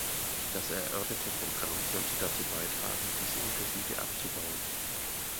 Das erörterte Programm sollte dazu beitragen, diese Unterschiede abzubauen.